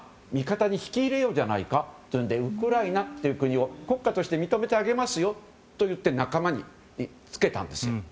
味方に引き入れようじゃないかというのでウクライナという国を国家として認めてあげますよと言って仲間につけたんです。